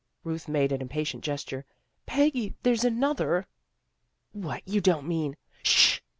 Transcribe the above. Ruth made an impa tient gesture. " Peggy, there's another." " What, you don't mean "" Sh!